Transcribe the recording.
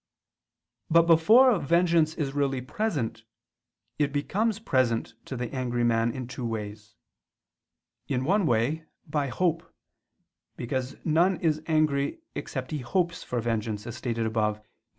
But before vengeance is really present, it becomes present to the angry man in two ways: in one way, by hope; because none is angry except he hopes for vengeance, as stated above (Q.